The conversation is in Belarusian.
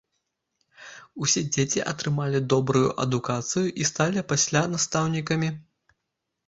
Усе дзеці атрымалі добрую адукацыю і сталі пасля настаўнікамі.